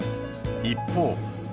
一方。